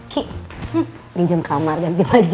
ki linjam kamar ganti baju ya